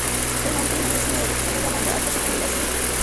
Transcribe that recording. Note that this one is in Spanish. Germán permanece en la dirección de la Banda hasta su jubilación.